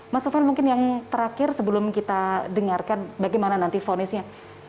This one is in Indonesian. mas sofian mungkin yang terakhir sebelum kita dengarkan bagaimana nanti fonisnya